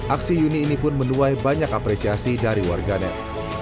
aksi yuni ini pun menuai banyak apresiasi dari warganet